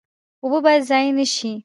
اوبه باید ضایع نشي